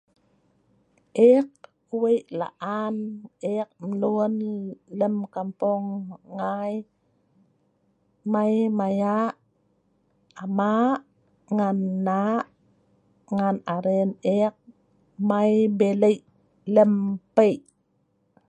ek weik la'an ek lun lem kampung ngai mai mayak amak ngan nak ngan aren ek mei bilei' lem pei